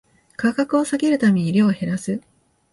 価格を下げるために量を減らす